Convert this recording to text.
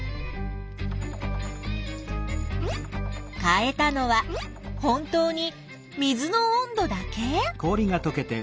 変えたのは本当に水の温度だけ？